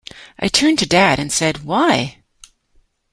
I turned to Dad and said why?